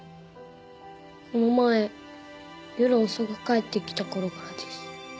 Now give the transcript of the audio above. この前夜遅く帰ってきたころからです。